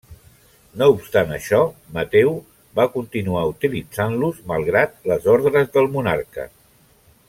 No obstant això, Mateu va continuar utilitzant-los malgrat les ordres del monarca.